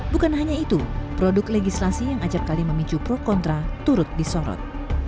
bukan hanya itu produk legislasi yang ajak kali memicu pro kontra turut disorot